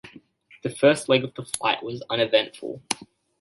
The first leg of the flight was uneventful.